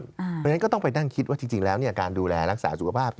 เพราะฉะนั้นก็ต้องไปนั่งคิดว่าจริงแล้วการดูแลรักษาสุขภาพ